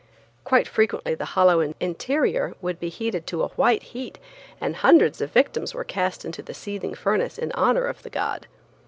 Quite frequently the hollow interior would be heated to a white heat, and hundreds of victims were cast into the seething furnace in honor of the god.